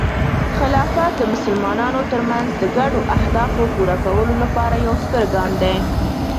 خلافت د مسلمانانو ترمنځ د ګډو اهدافو پوره کولو لپاره یو ستر ګام دی.